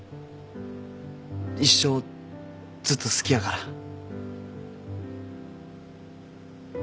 一生ずっと好きやから。